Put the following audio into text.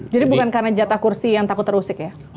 jadi bukan karena jatah kursi yang takut terusik ya